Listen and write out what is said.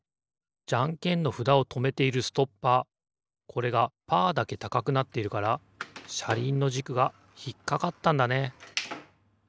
じゃんけんのふだをとめているストッパーこれがパーだけたかくなっているからしゃりんのじくがひっかかったんだね。